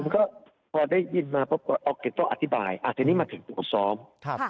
ครับผมก็พอได้ยินมาพบว่าโอเคต้ออธิบายอ่าทีนี้มาถึงตัวซ้อมครับ